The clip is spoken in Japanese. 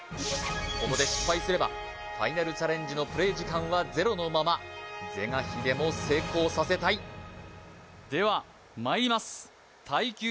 ここで失敗すればファイナルチャレンジのプレイ時間はゼロのまま是が非でも成功させたいではまいります耐久！